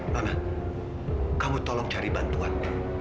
nana kamu tolong cari bantuan